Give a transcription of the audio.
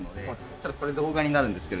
ちょっとこれ動画になるんですけど。